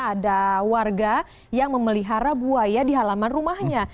ada warga yang memelihara buaya di halaman rumahnya